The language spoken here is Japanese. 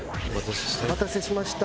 お待たせしました。